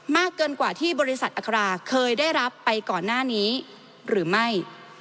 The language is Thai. เกินกว่าที่บริษัทอัคราเคยได้รับไปก่อนหน้านี้หรือไม่